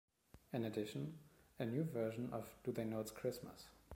In addition, a new version of Do They Know It's Christmas?